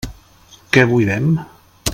Què buidem?